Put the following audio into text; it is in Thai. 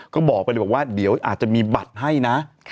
ก็บอกไปเลยบอกว่าเดี๋ยวอาจจะมีบัตรให้นะ